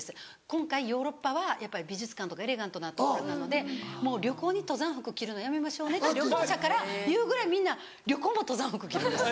「今回ヨーロッパは美術館とかエレガントなところなのでもう旅行に登山服着るのやめましょうね」って旅行社から言うぐらいみんな旅行も登山服着るんです。